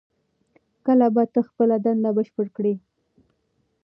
کله به ته خپله دنده بشپړه کړې؟